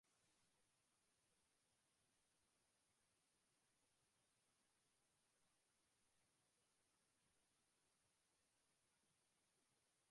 Ωστόσο το Βασιλόπουλο